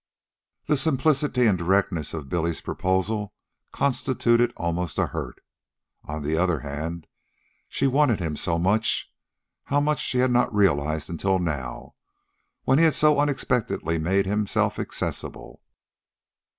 The simplicity and directness of Billy's proposal constituted almost a hurt. On the other hand she wanted him so much how much she had not realized until now, when he had so unexpectedly made himself accessible.